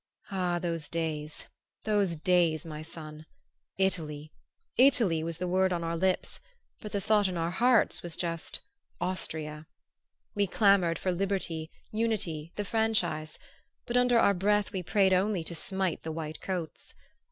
Ah, those days, those days, my son! Italy Italy was the word on our lips; but the thought in our hearts was just Austria. We clamored for liberty, unity, the franchise; but under our breath we prayed only to smite the white coats.